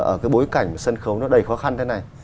ở cái bối cảnh sân khấu nó đầy khó khăn thế này